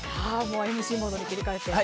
ＭＣモードに切り替えて。